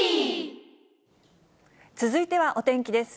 続いてはお天気です。